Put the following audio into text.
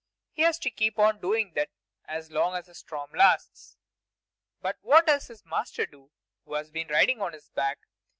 He has to keep on doing that as long as the storm lasts. But what does his master do, who has been riding on his back?